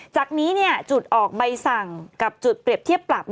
จากนี้จุดออกใบสั่งกับจุดเปรียบเทียบปรับ